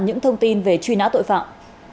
những thông tin về truy nã tội phạm